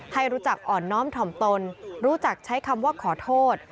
ให้รู้จักอ่อนน้อมถ่อมตนรู้จักใช้คำว่าขอโทษ